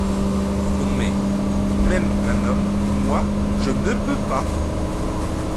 Non, mais même un homme, moi, je ne peux pas !